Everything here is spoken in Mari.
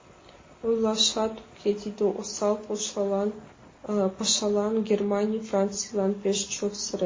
Ойлашат уке, тиде осал пашалан Германий Францийлан пеш чот сырен.